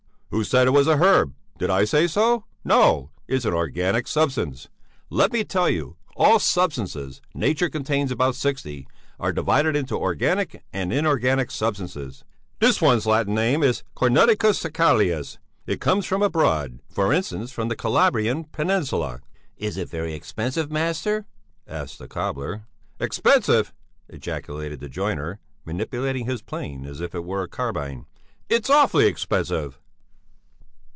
"Who said it was a herb? Did I say so? No; it's an organic substance. Let me tell you, all substances nature contains about sixty are divided into organic and inorganic substances. This one's Latin name is cornuticus secalias; it comes from abroad, for instance from the Calabrian Peninsula." "Is it very expensive, master?" asked the cobbler. "Expensive!" ejaculated the joiner, manipulating his plane as if it were a carbine. "It's awfully expensive!"